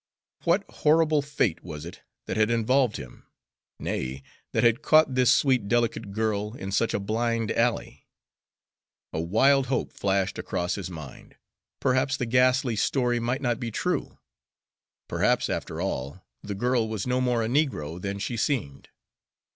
What horrible fate was it that had involved him nay, that had caught this sweet delicate girl in such a blind alley? A wild hope flashed across his mind: perhaps the ghastly story might not be true; perhaps, after all, the girl was no more a negro than she seemed.